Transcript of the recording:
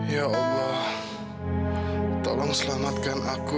ya allah tolong selamatkan aku